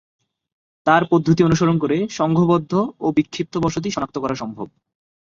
তার পদ্ধতি অনুসরণ করে সংঘবদ্ধ ও বিক্ষিপ্ত বসতি শনাক্ত করা সম্ভব।